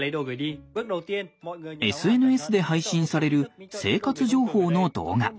ＳＮＳで配信される生活情報の動画。